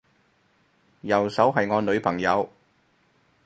右手係我女朋友